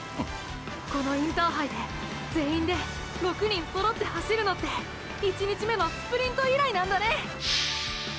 このインターハイで全員で６人揃って走るのって１日目のスプリント以来なんだね！